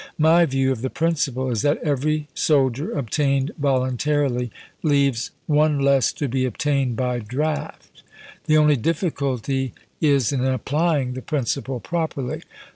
My view of the principle is that every soldier obtained voluntarily leaves THE LINCOLN SEYMOUE COKRESPONDENCE 39 one less to be obtained by draft. The only difficulty is in applying the principle properly.